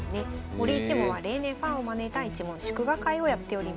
森一門は例年ファンを招いた一門祝賀会をやっております。